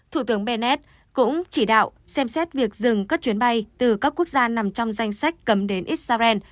thủ tướng benet cũng chỉ đạo xem xét việc dừng các chuyến bay từ các quốc gia nằm trong danh sách cấm đến israel